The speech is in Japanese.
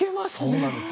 そうなんです。